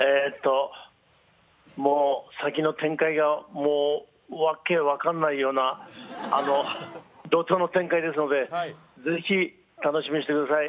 もう先の展開がもう訳分かんないような怒とうの展開ですので是非楽しみにしてください。